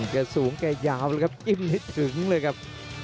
แกสูงแกยาวเลยครับจิ้มให้ถึงเลยครับ